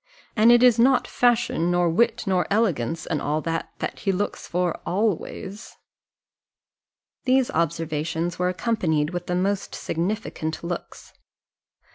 And it is not fashion, nor wit, nor elegance, and all that, that he looks for always." These observations were accompanied with the most significant looks.